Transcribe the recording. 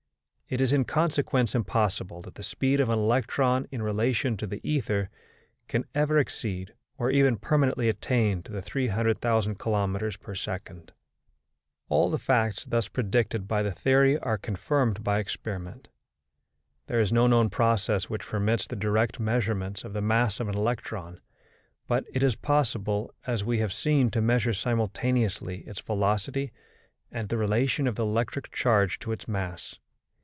It is in consequence impossible that the speed of an electron, in relation to the ether, can ever exceed, or even permanently attain to, 300,000 kilometres per second. All the facts thus predicted by the theory are confirmed by experiment. There is no known process which permits the direct measurement of the mass of an electron, but it is possible, as we have seen, to measure simultaneously its velocity and the relation of the electric charge to its mass.